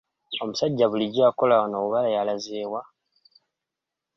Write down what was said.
Omusajja bulijjo akola wano oba yalaze wa?